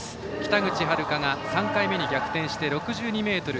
北口榛花が３回目に逆転して、６２ｍ２５。